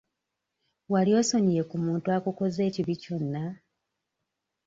Wali osonyiye ku muntu akukoze ekibi kyonna?